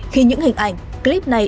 khi những hình ảnh clip này